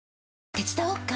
手伝おっか？